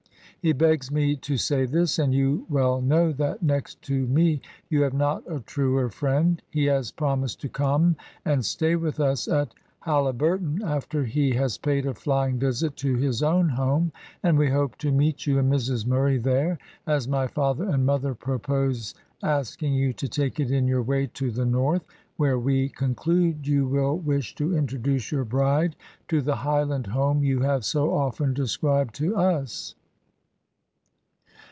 He begs me to say this, and you well know that next to me you have not a truer friend. He has promised to come and stay with us at Halliburton, after he has paid a flying visit to his own home, and we hope to meet you and Mrs Murray there, as my father and mother propose asking you to take it in your way to the north, where we conclude you will wish to introduce your bride to the Highland home you have so often described to us."